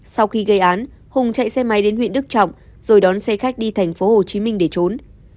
sau khi gây án hùng chạy xe máy đến huyện đức trọng rồi đón xe khách đi thành phố hồ chí minh để trốn